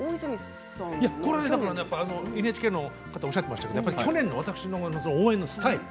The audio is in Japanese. ＮＨＫの方おっしゃっていましたが去年の私の応援のスタイル